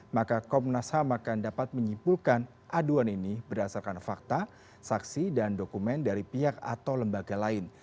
maka komnas ham akan dapat menyimpulkan aduan ini berdasarkan fakta saksi dan dokumen dari pihak atau lembaga lain